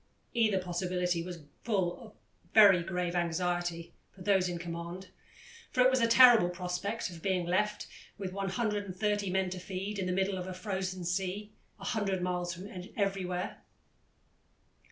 Either possibility was full of very grave anxiety for those in command, for it was a terrible prospect of being left, with 130 men to feed, in the midst of the frozen sea, "a hundred miles from everywhere."